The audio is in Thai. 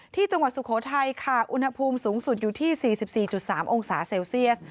ที่จังหวัดสุโขทัยค่ะอุณหภูมิสูงสุดอยู่ที่๔๔๓องศาเซลเซียส